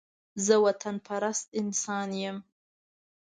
زه وطن پرست انسان يم